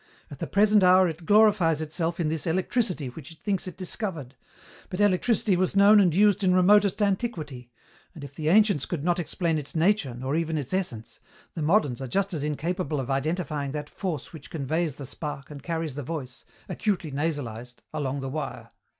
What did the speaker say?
At the present hour it glorifies itself in this electricity which it thinks it discovered. But electricity was known and used in remotest antiquity, and if the ancients could not explain its nature nor even its essence, the moderns are just as incapable of identifying that force which conveys the spark and carries the voice acutely nasalized along the wire.